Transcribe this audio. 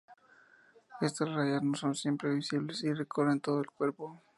Estas rayas no son siempre visibles y recorren todo el cuerpo.